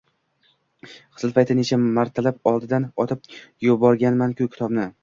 Qizlik payti necha martalab oldidan otib yuborganmanu, kitobni!